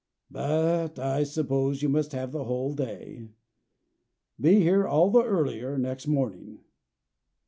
"But I suppose you must have the whole day. Be here all the earlier next morning."